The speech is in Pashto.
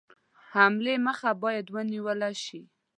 حملې مخه باید ونیوله شي.